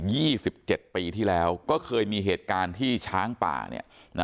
สิบเจ็ดปีที่แล้วก็เคยมีเหตุการณ์ที่ช้างป่าเนี่ยนะ